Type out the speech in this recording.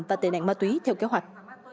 và tệ nạn ma túy theo kế hoạch